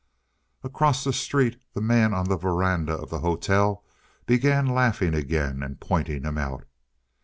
Across the street the man on the veranda of the hotel began laughing again and pointing him out.